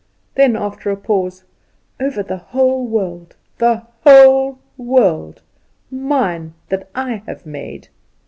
Then after a pause "Over the whole world the whole world mine, that I have made!"